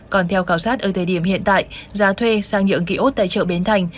còn theo khảo sát ở thời điểm hiện tại giá thuê sang nhượng ký ốt tại chợ bến thành